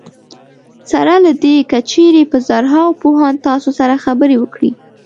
سره له دې که چېرې په زرهاوو پوهان تاسو سره خبرې وکړي.